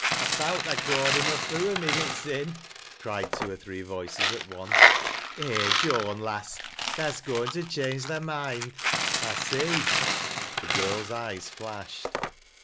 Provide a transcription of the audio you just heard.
" I thowt tha' ca'ed him a foo' a minute sin'," cried twc or three voices at once. " Eh, Joan, lass, tha'st goin' f change thy moind, I see." The girl's eyes flashed.